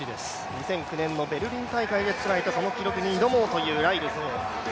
２００９年のベルリン大会で出されたその記録に挑もうというライルズ。